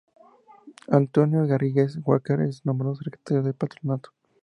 Antonio Garrigues Walker es nombrado secretario del Patronato.